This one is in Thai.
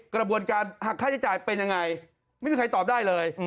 กระบวนการหักค่าใช้จ่ายเป็นยังไงไม่มีใครตอบได้เลย